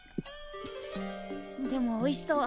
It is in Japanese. でもおいしそう。